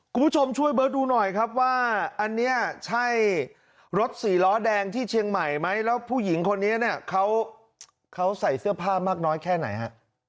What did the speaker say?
คุณผู้ชมช่วยเบิร์ตดูหน่อยครับว่าอันนี้ใช่รถสี่ล้อแดงที่เชียงใหม่ไหมแล้วผู้หญิงคนนี้เนี่ยเขาใส่เสื้อผ้ามากน้อยแค่ไหนฮะ